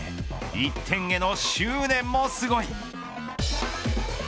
１点への執念もすごい。